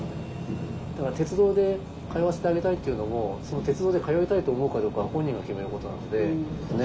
だから鉄道で通わせてあげたいっていうのも鉄道で通いたいと思うかどうかは本人が決めることなので。